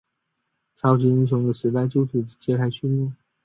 超级英雄的时代就此揭开序幕。